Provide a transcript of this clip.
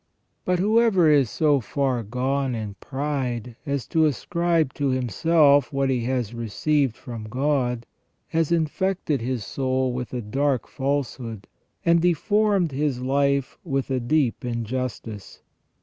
But whoever is so far gone in pride as to ascribe to himself what he has received from God has infected 396 FROM THE BEGINNING TO THE END OF MAN. his soul with a dark falsehood and deformed his life with a deep injustice.